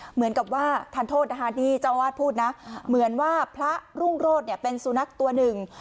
เหมือนกับว่าทานโทษนะคะนี่เจ้าอาวาสพูดนะเหมือนว่าพระรุ่งโรธเนี่ยเป็นสุนัขตัวหนึ่ง